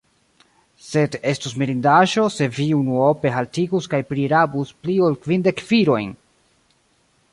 Sed estus mirindaĵo, se vi unuope haltigus kaj prirabus pli ol kvindek virojn!